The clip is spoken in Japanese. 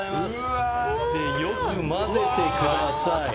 よく混ぜてください。